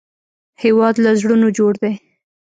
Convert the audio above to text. هېواد له زړونو جوړ دی